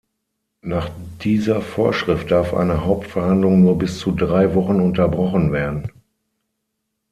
Nach dieser Vorschrift darf eine Hauptverhandlung nur bis zu drei Wochen unterbrochen werden.